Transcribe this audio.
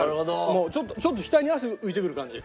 もうちょっと額に汗浮いてくる感じ。